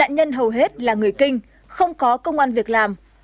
nhân hầu hết là người kinh không có công an việc làm